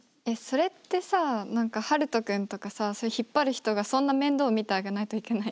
それってさ何かハルト君とかさそういう引っ張る人がそんな面倒見てあげないといけない？